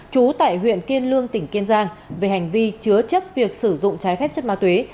trú tại huyện kiên lương tỉnh kiên giang về hành vi chứa chấp việc sử dụng trái phép chất ma túy